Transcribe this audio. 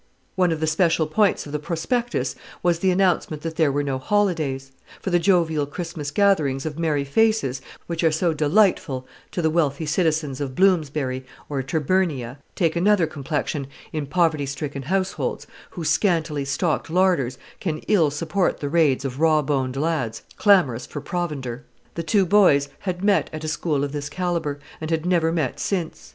One of the special points of the prospectus was the announcement that there were no holidays; for the jovial Christmas gatherings of merry faces, which are so delightful to the wealthy citizens of Bloomsbury or Tyburnia, take another complexion in poverty stricken households, whose scantily stocked larders can ill support the raids of rawboned lads clamorous for provender. The two boys had met at a school of this calibre, and had never met since.